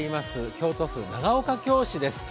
京都府長岡京市です。